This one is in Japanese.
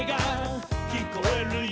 「きこえるよ」